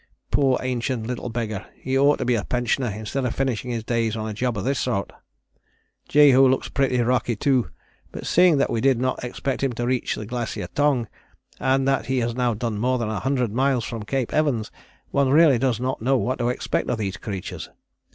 Poor ancient little beggar, he ought to be a pensioner instead of finishing his days on a job of this sort. Jehu looks pretty rocky too, but seeing that we did not expect him to reach the Glacier Tongue, and that he has now done more than 100 miles from Cape Evans, one really does not know what to expect of these creatures.